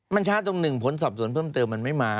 มันช้าตรงหนึ่งผลสอบสวนเพิ่มเติมมันไม่มา